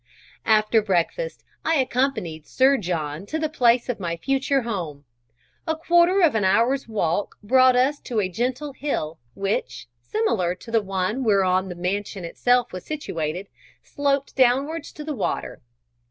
After breakfast, I accompanied Sir John to the place of my future home. A quarter of an hour's walk brought us to a gentle hill, which, similar to the one whereon the mansion itself was situated, sloped downwards to the water.